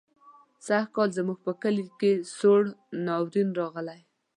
سږکال زموږ په کلي کې سوړ ناورين راغی.